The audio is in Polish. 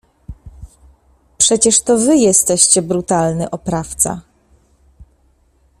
Przecież to wy jesteście brutalny oprawca.